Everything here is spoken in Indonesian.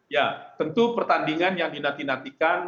ya tentu pertandingan yang dinati natikan